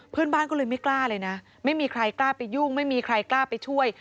เพื่อนบ้านก็เลยไม่กล้าเลยนะไม่มีใครกล้าไปยุ่งไม่มีใครกล้าไปช่วย